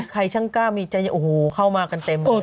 ใครช่างก้ามีจริยาโอ้โหเข้ามากันเต็มเลย